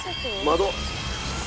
窓？